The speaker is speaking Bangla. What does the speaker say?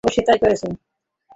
অবশ্যই তাই করেছে।